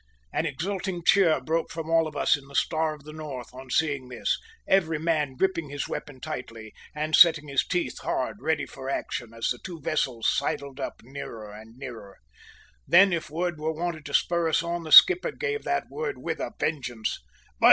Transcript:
An exulting cheer broke from all of us in the Star of the North on seeing this, every man gripping his weapon tightly, and setting his teeth hard, ready for action, as the two vessels sidled up nearer and nearer. Then if word were wanted to spur us on, the skipper gave that word with a vengeance!